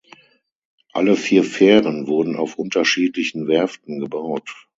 Alle vier Fähren wurden auf unterschiedlichen Werften gebaut.